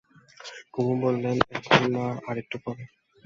কুমু বললে, এখন না, আর একটু পরে।